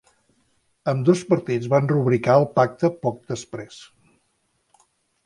Ambdós partits van rubricar el pacte poc després.